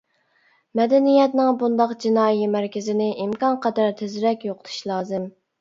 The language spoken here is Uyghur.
مەدەنىيەتنىڭ بۇنداق جىنايى مەركىزىنى ئىمكانقەدەر تېزرەك يوقىتىش لازىم.